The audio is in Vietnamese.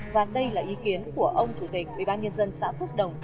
và đây là ý kiến của ông chủ tịch ubnd xã phước đồng